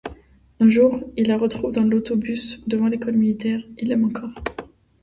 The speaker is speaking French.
Un jour, il la retrouve dans l'autobus devant l’École militaire… Il l'aime encore.